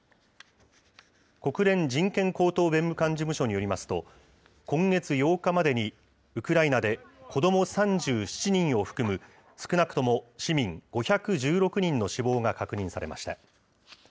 国連人権高等弁務官事務所によりますと、今月８日までにウクライナで子ども３７人を含む少なくとも市民５１６人の死亡が確認されました。